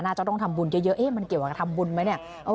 จะต้องทำบุญเยอะมันเกี่ยวกับทำบุญไหมเนี่ย